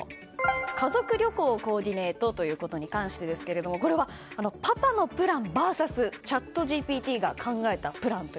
家族旅行をコーディネートということに関してですがこれは、パパのプランＶＳチャットＧＰＴが考えたプラン。